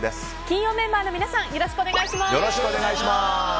金曜メンバーの皆さんよろしくお願いします。